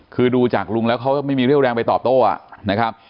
คือดูจากลุงแล้วเขาก็ไม่มีเร็วแรงไปตอบโต๊ะอ่ะ